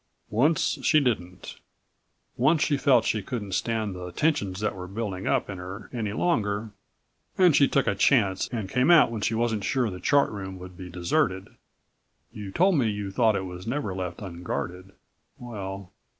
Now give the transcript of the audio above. "Once she didn't. Once she felt she couldn't stand the tensions that were building up in her any longer and she took a chance and came out when she wasn't sure the Chart Room would be deserted. You told me you thought it was never left unguarded. Well